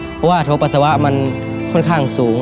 เพราะว่าโทรปัสสาวะมันค่อนข้างสูง